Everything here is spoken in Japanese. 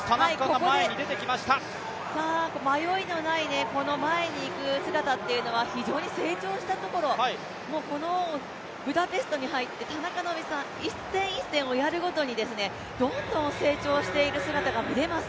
ここで、迷いのない前に行く姿というのは非常に成長したところこのブダペストに入って、田中希実さん、一戦一戦をやるごとにですねどんどん成長している姿が見れます。